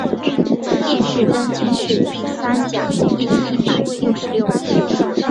殿试登进士第三甲第一百六十六名。